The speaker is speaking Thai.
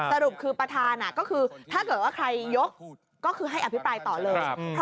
สรุปคือประธานก็คือถ้าเกิดว่าใครยกก็คือให้อภิปรายต่อเลย